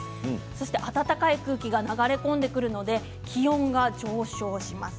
そして暖かい空気が流れ込んでくるので気温が上昇します。